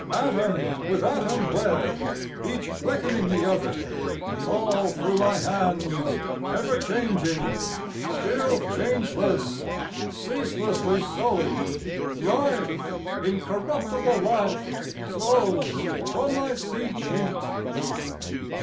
Atom with atom wed, Each quickening the other, Fall through my hands, ever changing, still changeless Ceaselessly sowing, Life, incorruptible life, Flows from my seed sheet.